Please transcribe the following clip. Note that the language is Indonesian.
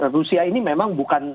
rusia ini memang bukan